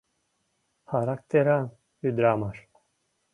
Характеран ӱдрамаш.